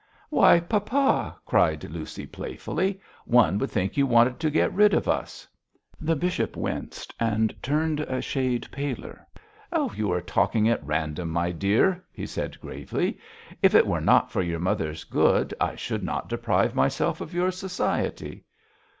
'Why, papa,' cried Lucy, playfully, 'one would think you wanted to get rid of us.' The bishop winced and turned a shade paler. 'You are talking at random, my dear,' he said gravely; 'if it were not for your mother's good I should not deprive myself of your society.'